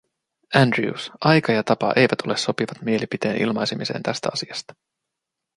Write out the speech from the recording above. Andrews, aika ja tapa eivät ole sopivat mielipiteen ilmaisemiseen tästä asiasta.